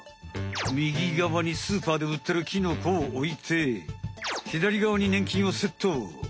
みぎがわにスーパーでうってるキノコをおいてひだりがわにねん菌をセット。